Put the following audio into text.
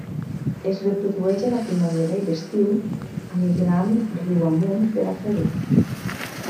Es reprodueix a la primavera i l'estiu migrant riu amunt per a fer-ho.